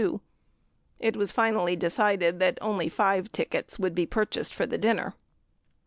It was finally decided that only five tickets would be purchased for the dinner.